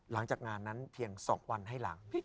หลังจากงานนั้นเพียง๒วันให้หลัง